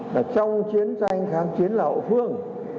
là trong chiến tranh kháng chiến là hậu phương